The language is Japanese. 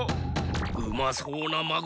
うまそうなマグロだ！